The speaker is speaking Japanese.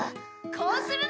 こうするのだ。